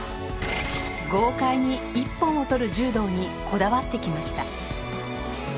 豪快に一本を取る柔道にこだわってきました。